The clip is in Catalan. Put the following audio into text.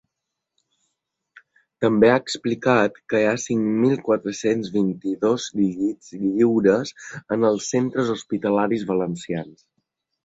També ha explicat que hi ha cinc mil quatre-cents vint-i-dos llits lliures en els centres hospitalaris valencians.